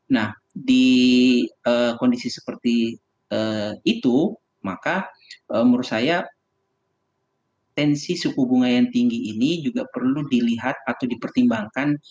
nah di kondisi seperti itu maka menurut saya tensi suku bunga yang tinggi ini juga perlu dilihat atau dipertimbangkan dengan cara yang lebih baik